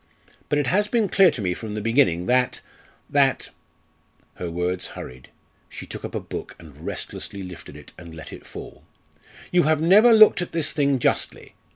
But it has been clear to me from the beginning that that" her words hurried, she took up a book and restlessly lifted it and let it fall "you have never looked at this thing justly.